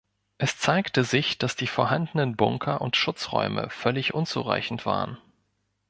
Es zeigte sich, dass die vorhandenen Bunker und Schutzräume völlig unzureichend waren.